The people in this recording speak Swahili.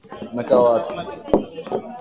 Mmekaa wapi?